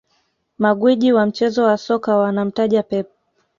Magwiji wa mchezo wa soka wanamtaja Pep